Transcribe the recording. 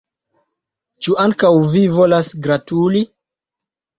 Ĉu ankaŭ vi volas gratuli?